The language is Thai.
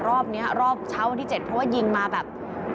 รอบนี้รอบเช้าวันที่๗เพราะว่ายิงมาแบบ